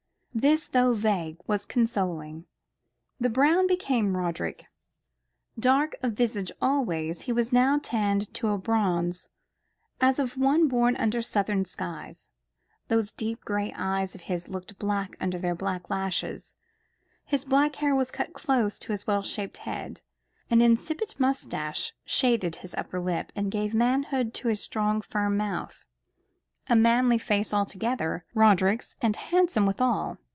This, though vague, was consoling. The brown became Roderick. Dark of visage always, he was now tanned to a bronze as of one born under southern skies. Those deep gray eyes of his looked black under their black lashes. His black hair was cut close to his well shaped head. An incipient moustache shaded his upper lip, and gave manhood to the strong, firm mouth. A manly face altogether, Roderick's, and handsome withal.